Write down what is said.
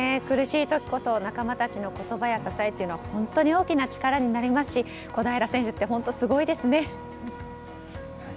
苦しい時こそ仲間たちの言葉や支えは本当に大きな力になりますし小平選手って本当すごいですね。